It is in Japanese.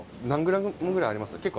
何ｇぐらいあります？